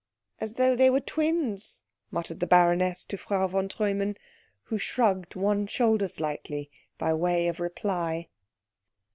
"As though they were twins," muttered the baroness to Frau von Treumann, who shrugged one shoulder slightly by way of reply.